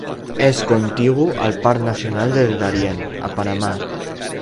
És contigu al Parc Nacional del Darién, a Panamà.